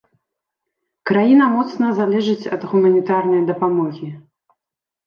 Краіна моцна залежыць ад гуманітарнай дапамогі.